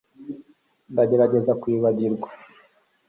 ndagerageza kwibagirwa